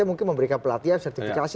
mungkin memberikan pelatihan sertifikasi